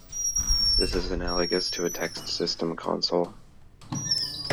This is analogous to a text system console.